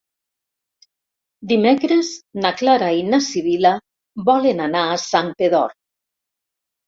Dimecres na Clara i na Sibil·la volen anar a Santpedor.